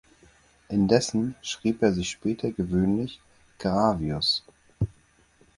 Indessen schrieb er sich später gewöhnlich "Gravius".